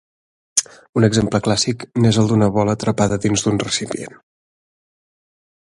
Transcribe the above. Un exemple clàssic n'és el d'una bola atrapada dins un recipient.